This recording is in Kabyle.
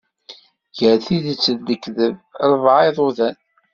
Ger tidet d lekdeb, rebɛa iḍudan.